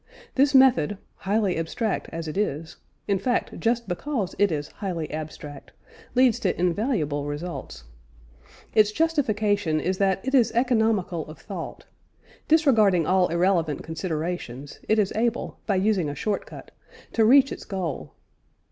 This method, highly abstract as it is in fact, just because it is highly abstract leads to invaluable results. It's justification is that it is economical of thought; disregarding all irrelevant considerations, it is able, by using a short cut, to reach its goal.